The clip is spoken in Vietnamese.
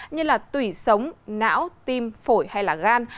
như là tủy sống não tim phổi hay là gan